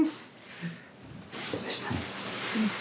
そうでしたね。